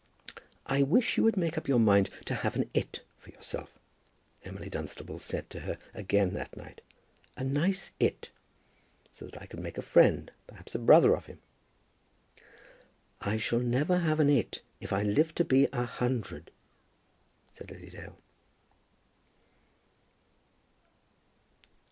"I wish you would make up your mind to have an 'it' for yourself," Emily Dunstable said to her again that night; "a nice 'it,' so that I could make a friend, perhaps a brother, of him." "I shall never have an 'it,' if I live to be a hundred," said Lily Dale.